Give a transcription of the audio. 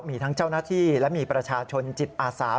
มีทั้งเจ้าหน้าที่และมีประชาชนจิตอาสา